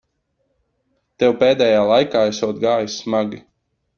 Tev pēdējā laikā esot gājis smagi.